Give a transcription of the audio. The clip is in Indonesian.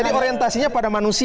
jadi orientasinya pada manusia